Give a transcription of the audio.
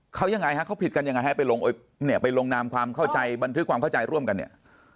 เขายังไงฮะเขาผิดกันยังไงฮะไปลงเนี่ยไปลงนามความเข้าใจบันทึกความเข้าใจร่วมกันเนี่ย